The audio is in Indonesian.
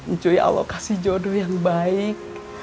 ncuy alokasi jodoh yang baik